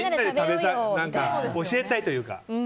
教えたいというか。